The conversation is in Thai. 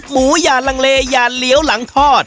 อย่าลังเลอย่าเหลียวหลังทอด